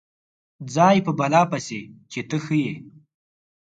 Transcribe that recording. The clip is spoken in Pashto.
ځای په بلا پسې چې ته ښه یې.